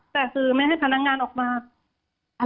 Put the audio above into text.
แต่คือไม่ให้พนักงานออกมา